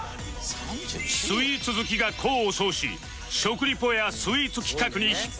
スイーツ好きが功を奏し食リポやスイーツ企画に引っ張りだこ！